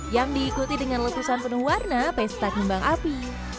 yang diikuti dengan lekusan penuh warna pesta kimbang api